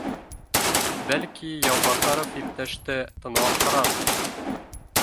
— Бәлки, Яубаҫаров иптәште тыңлап ҡарарбыҙ